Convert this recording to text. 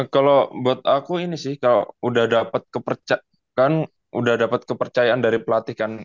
kalo buat aku ini sih kalo udah dapet kepercayaan dari pelatih kan